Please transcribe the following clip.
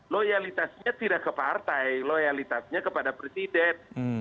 loyalitasnya tidak ke partai loyalitasnya kepada presiden